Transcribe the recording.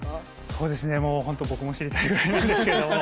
そうですねもうほんと僕も知りたいぐらいなんですけども。